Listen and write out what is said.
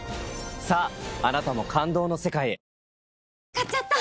買っちゃった！